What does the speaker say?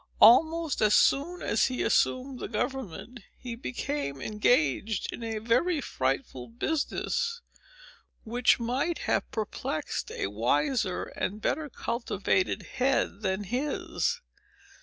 Almost as soon as he assumed the government, he became engaged in a very frightful business, which might have perplexed a wiser and better cultivated head than his.